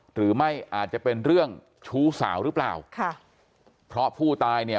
หรือไม่อาจจะเป็นเรื่องชู้สาวหรือเปล่าค่ะเพราะผู้ตายเนี่ย